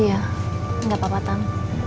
iya gak apa apa tam